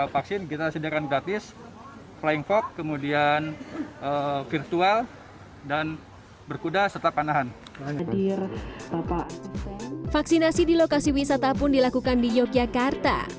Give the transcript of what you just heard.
vaksinasi di lokasi wisata pun dilakukan di yogyakarta